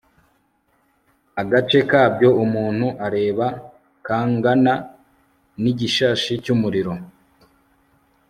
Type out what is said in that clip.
agace kabyo umuntu areba, kangana n'igishashi cy'umuriro